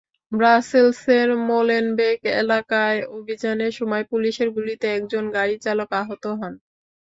ব্রাসেলসের মোলেনবেক এলাকায় অভিযানের সময় পুলিশের গুলিতে একজন গাড়িচালক আহত হন।